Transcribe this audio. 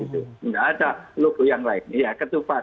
tidak ada logo yang lain